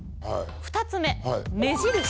２つ目目印。